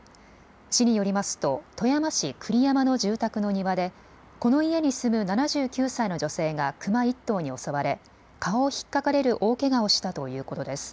市によりますと富山市栗山の住宅の庭でこの家に住む７９歳の女性がクマ１頭に襲われ顔をひっかかれる大けがをしたということです。